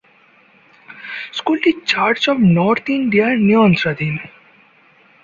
স্কুলটি church of north ইন্ডিয়ার নিয়ন্ত্রণাধীন।